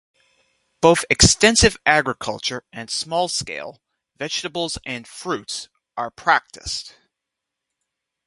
Both extensive agriculture, and small scale, vegetables and fruits, are practiced.